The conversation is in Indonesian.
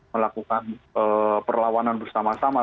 melakukan perlawanan bersama sama